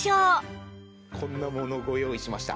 こんなものご用意しました。